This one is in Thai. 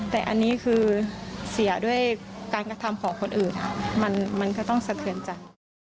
แต่อันนี้คือเสียด้วยการกระทำของคนอื่นมันก็ต้องสะเทือนใจ